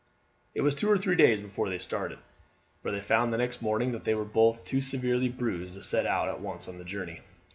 It was two or three days before they started, for they found the next morning that they were both too severely bruised to set out at once on the journey.